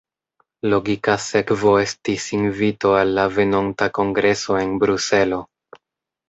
Logika sekvo estis invito al la venonta kongreso en Bruselo.